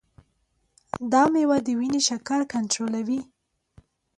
دا مېوه د وینې شکر کنټرولوي.